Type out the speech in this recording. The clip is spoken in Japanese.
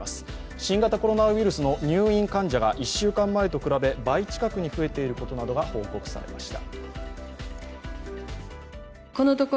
新型コロナウイルスの入院患者が１週間前と比べ、倍近くに増えていることなどが報告されました。